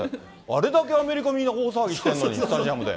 あれだけアメリカ、みんな大騒ぎしてんのに、スタジアムで。